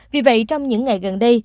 vì vậy trong những ngày gần đây